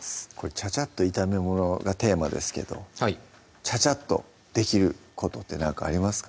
「チャチャっと炒めもの」がテーマですけどチャチャっとできることって何かありますか？